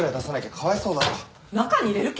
中に入れる気？